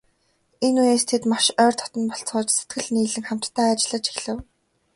Энэ үеэс тэд маш ойр дотно болцгоож, сэтгэл нийлэн хамтдаа ажиллаж эхлэв.